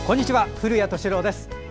古谷敏郎です。